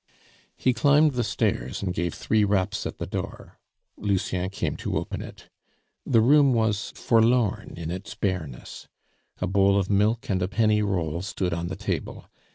He climbed the stairs and gave three raps at the door. Lucien came to open it. The room was forlorn in its bareness. A bowl of milk and a penny roll stood on the table.